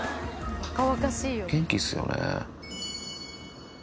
元気ですよね。